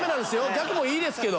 逆もいいですけど。